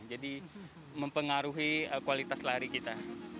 jadi mempengaruhi kualitas lari kita